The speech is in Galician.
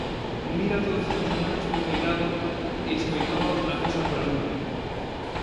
Unira todos estes anacos con coidado e escoitábaos na casa pola noite.